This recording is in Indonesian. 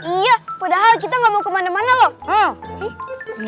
iya padahal kita nggak mau kemana mana loh